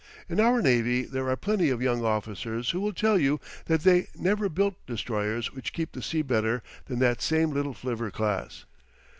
In our navy there are plenty of young officers who will tell you that they never built destroyers which keep the sea better than that same little flivver class.